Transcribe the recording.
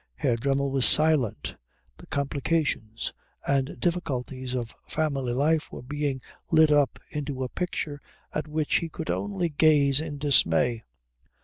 Herr Dremmel was silent. The complications and difficulties of family life were being lit up into a picture at which he could only gaze in dismay.